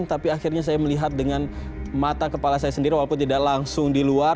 tapi akhirnya saya melihat dengan mata kepala saya sendiri walaupun tidak langsung di luar